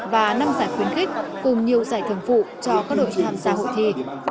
và năm giải khuyến khích cùng nhiều giải thưởng phụ cho các đội tham gia hội thi